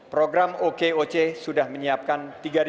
program okoc sudah menyiapkan